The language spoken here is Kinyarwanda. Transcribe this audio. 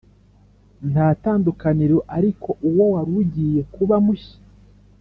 ntatandukaniro ariko uwo warugiye kuba mushya